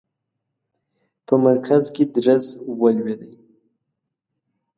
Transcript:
په مرکز کې درز ولوېدی.